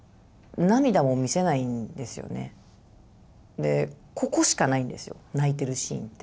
でここしかないんですよ泣いてるシーンって。